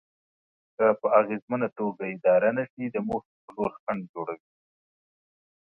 که په اغېزمنه توګه اداره نشي د موخې په لور خنډ جوړوي.